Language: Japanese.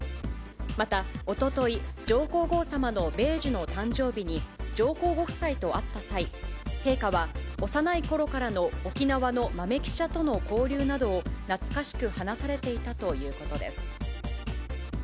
また、おととい、上皇后さまの米寿の誕生日に、上皇ご夫妻と会った際、陛下は、幼いころからの沖縄の豆記者との交流などを懐かしく話されていたということです。